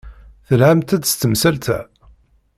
Telhamt-d s temsalt-a.